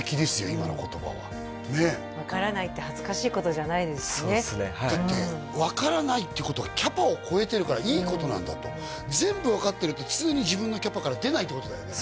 今の言葉はねえ分からないって恥ずかしいことじゃないですしねだって分からないってことはキャパをこえてるからいいことなんだと全部分かってると常に自分のキャパから出ないってことだよね